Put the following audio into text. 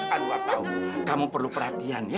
anwar tahu kamu perlu perhatian ya